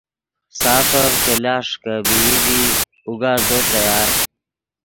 سافف کہ لاست ݰیکبئی ڤی اوگا زو تیار